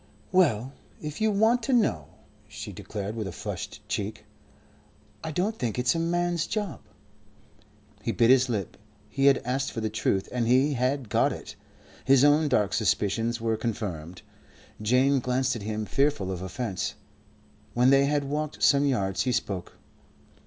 "Well, if you want to know," she declared, with a flushed cheek, "I don't think it's a man's job." He bit his lip. He had asked for the truth and he had got it. His own dark suspicions were confirmed. Jane glanced at him fearful of offence. When they had walked some yards he spoke.